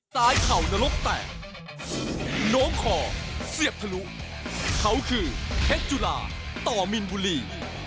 เข่านรกแตกโน้มคอเสียบทะลุเขาคือเพชรจุฬาต่อมินบุรี